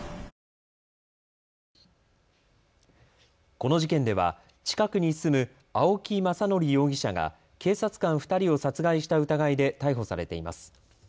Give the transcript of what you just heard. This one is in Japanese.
この事件では近くに住む青木政憲容疑者が警察官２人を殺害した疑いで逮捕されています。